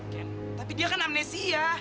tapi dia kan amnesia